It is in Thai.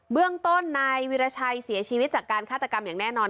เรื่องต้นนายวิราชัยเสียชีวิตจากการฆาตกรรมอย่างแน่นอน